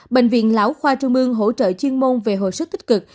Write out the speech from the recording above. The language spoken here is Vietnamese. bệnh viện lão khoa trung ương hỗ trợ chuyên môn về hồi sức tích cực